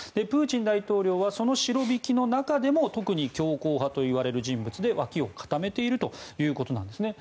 プーチン大統領はそのシロビキの中でも特に強硬派といわれる人物で脇を固めているということです。